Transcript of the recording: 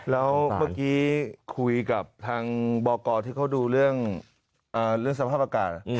แล้วเมื่อกี้คุยกับทางบกที่เขาดูเรื่องสภาพอากาศ